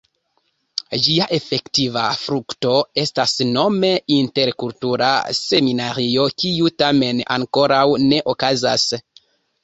Ĝia efektiva frukto estas nome "Interkultura Seminario", kiu tamen ankoraŭ ne okazas.